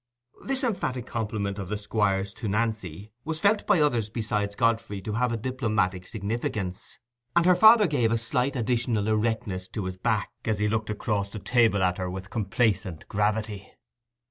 This emphatic compliment of the Squire's to Nancy was felt by others besides Godfrey to have a diplomatic significance; and her father gave a slight additional erectness to his back, as he looked across the table at her with complacent gravity.